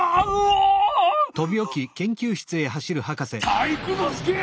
体育ノ介！